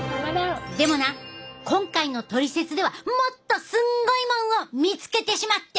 でもな今回の「トリセツ」ではもっとすんごいもんを見つけてしまってん。